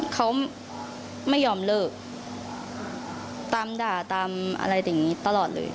เขาไม่ยอมเลิกตามด่าตามอะไรอย่างนี้ตลอดเลย